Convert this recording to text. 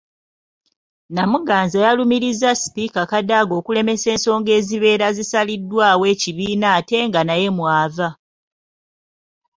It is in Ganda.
Namuganza yalumirizza Sipiika Kadaga okulemesa ensonga ezibeera zisaliddwawo ekibiina ate nga naye mw'ava.